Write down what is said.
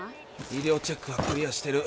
医療チェックはクリアーしてる。